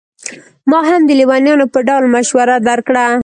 ما هم د لېونیانو په ډول مشوره درکړه.